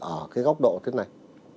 ở cái góc độ thế này